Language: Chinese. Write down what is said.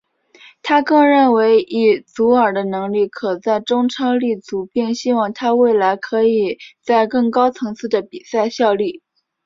他更认为以祖尔的能力可在中超立足并希望他未来可以在更高层次的比赛效力。